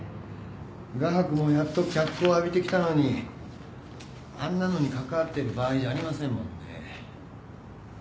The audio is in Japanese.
画伯もやっと脚光浴びてきたのにあんなのに関わってる場合じゃありませんもんね。